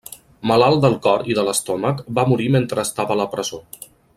Malalt del cor i de l'estómac, va morir mentre estava a la presó.